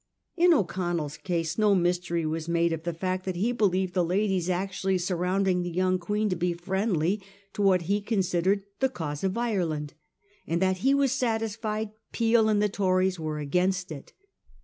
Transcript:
In O'Connell's case, no mystery was made of the fact that he believed the ladies actually surrounding the young Queen to be friendly to what he considered the cause of Ireland ; and that he was satisfied Peel and the Tories were against it.